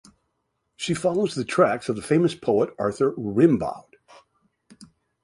She follows the tracks of the famous poet Arthur Rimbaud.